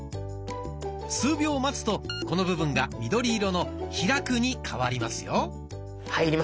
数秒待つとこの部分が緑色の「開く」に変わりますよ。